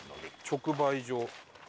直売所。